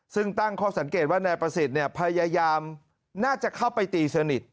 ซึ่งตั้งข้อสังเกตว่านายประสิทธิ์พยายามน่าจะเข้าไปตีสนิท